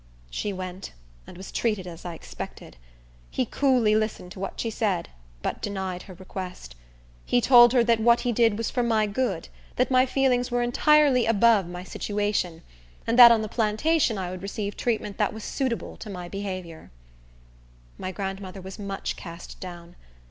She went, and was treated as I expected. He coolly listened to what she said, but denied her request. He told her that what he did was for my good, that my feelings were entirely above my situation, and that on the plantation I would receive treatment that was suitable to my behavior. My grandmother was much cast down.